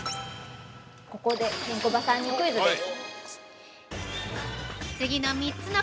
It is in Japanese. ここで、ケンコバさんにクイズです。